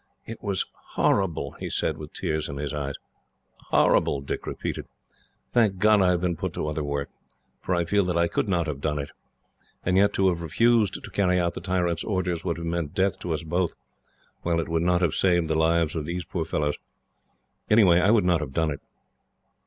"It was horrible," he said, with tears in his eyes. "Horrible!" Dick repeated. "Thank God I have been put to other work, for I feel that I could not have done it. And yet, to have refused to carry out the tyrant's orders would have meant death to us both, while it would not have saved the lives of these poor fellows. Anyhow, I would not have done it.